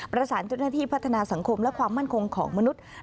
ประสานเจ้าหน้าที่พัฒนาสังคมและความมั่นคงของมนุษย์